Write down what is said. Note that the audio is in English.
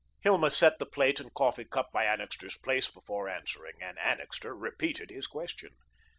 Hilma set the plate and coffee cup by Annixter's place before answering, and Annixter repeated his question.